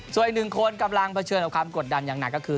ส่วนอีกหนึ่งคนกำลังเผชิญกับความกดดันอย่างหนักก็คือ